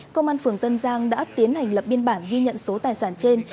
công an phường tân giang đã tiến hành lập biên bản ghi nhận số tài sản trên